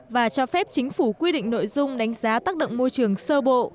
và cho phép chính phủ quy định nội dung đánh giá tác động môi trường sơ bộ